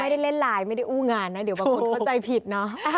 ไม่ได้เล่นไลน์ไม่ได้อู้งานนะเดี๋ยวบางคนเข้าใจผิดเนอะ